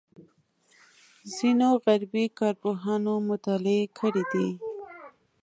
ځینو غربي کارپوهانو مطالعې کړې دي.